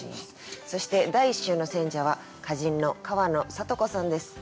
そして第１週の選者は歌人の川野里子さんです。